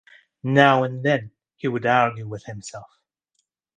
Now and then he would argue with himself.